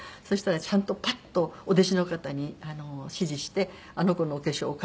そしたらちゃんとパッとお弟子の方に指示して「あの子のお化粧